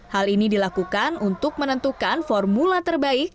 hal ini dilakukan untuk menentukan formula terbaik